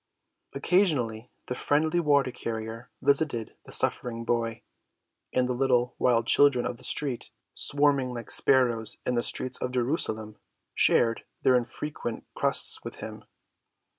Occasionally the friendly water‐carrier visited the suffering boy, and the little wild children of the street, swarming like sparrows in the streets of Jerusalem, shared their infrequent crusts with him.